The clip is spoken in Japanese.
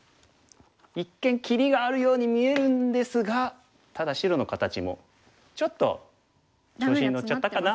一見切りがあるように見えるんですがただ白の形もちょっと調子に乗っちゃったかな？